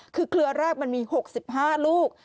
คือเครือแรกมันมี๖๕ลูก